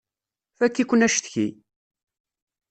Fakk-iken acetki!